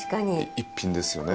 逸品ですよね。